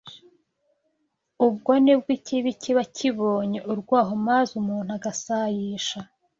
Ubwo ni bwo ikibi kiba kibonye urwaho maze umuntu agasayisha